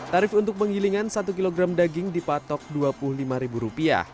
tarif untuk penggilingan satu kg daging dipatok rp dua puluh lima